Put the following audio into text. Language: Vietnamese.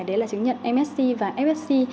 đấy là chứng nhận msc và fsc